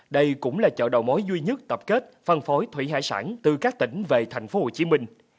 đây cũng là chợ đầu mối duy nhất tập kết phân phối thủy hải sản từ các tỉnh về tp hcm